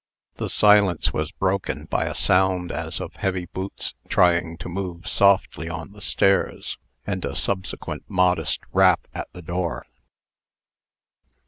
The silence was broken by a sound as of heavy boots trying to move softly on the stairs, and a subsequent modest rap at the door.